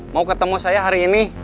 mau ketemu saya hari ini